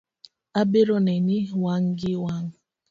Abiro neni wang’ gi wang’